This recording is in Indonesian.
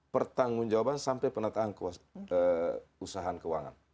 pertanggung jawaban sampai penataan usaha keuangan